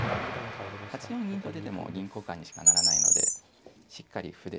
８四銀と出ても銀交換にしかならないのでしっかり歩で。